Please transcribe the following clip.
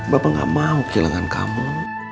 bapak gak mau kehilangan kamu